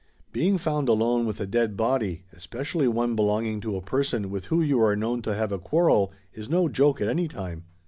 Being found alone with a dead body, especially one belonging to a person with who you are known to have a quarrel, is no joke at any time.